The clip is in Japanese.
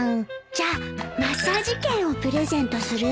じゃあマッサージ券をプレゼントする？